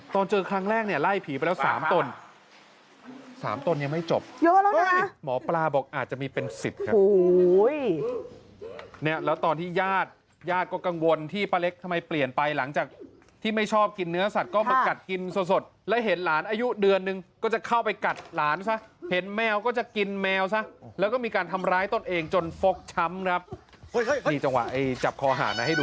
ตอนเจอครั้งแรกเนี่ยไล่ผีไปแล้ว๓ตน๓ตนยังไม่จบเยอะแล้วนะหมอปลาบอกอาจจะมีเป็นสิทธิ์ครับแล้วตอนที่ญาติญาติก็กังวลที่ป้าเล็กทำไมเปลี่ยนไปหลังจากที่ไม่ชอบกินเนื้อสัตว์ก็มากัดกินสดแล้วเห็นหลานอายุเดือนนึงก็จะเข้าไปกัดหลานซะเห็นแมวก็จะกินแมวซะแล้วก็มีการทำร้ายตนเองจนฟกช้ำครับ